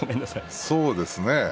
そうですね。